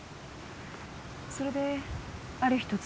それである日突然？